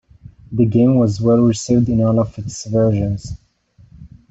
The game was well received in all of its versions.